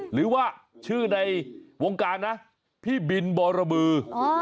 หรือว่าชื่อในวงการนะพี่บินบรบือ